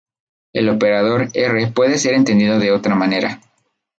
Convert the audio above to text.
El operador "R" puede ser entendido de otra manera.